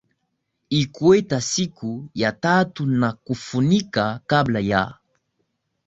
ikweta siku ya tatu na kufunika kabla ya